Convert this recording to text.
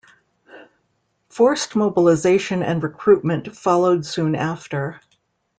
Forced mobilization and recruitment followed soon after.